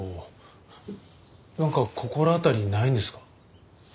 なんか心当たりないんですか？